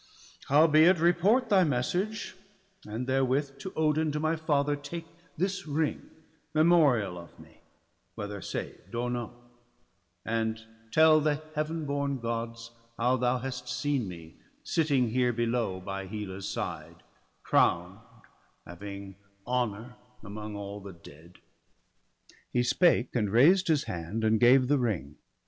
Howbeit, report thy message; and therewith, To Odin, to my father, take this ring, Memorial of me, whether saved or no; And tell the Heaven born Gods how thou hast seen BALDER DEAD, 163 Me sitting here below by Hela's side, Crown'd, having honour among all the dead/ He spake, and raised his hand, and gave the ring.